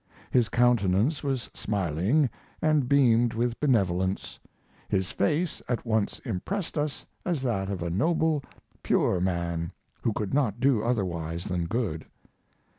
His countenance was smiling, and beamed with benevolence. His face at once impressed us as that of a noble, pure man who could not do otherwise than good.